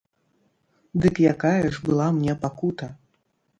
Дык якая ж была мне пакута!